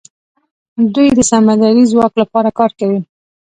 دوی د سمندري ځواک لپاره کار کوي.